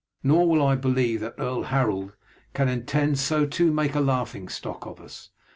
Nor will I believe that Earl Harold can intend so to make a laughing stock of us.